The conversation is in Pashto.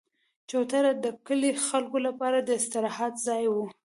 چوتره د کلي د خلکو لپاره د استراحت ځای وو.